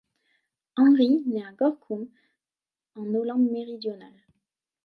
Henri naît à Gorkum en Hollande-Méridionale.